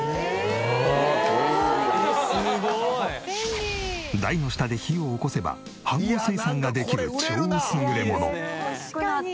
「すごい！」台の下で火を起こせば飯ごう炊さんができる超優れもの。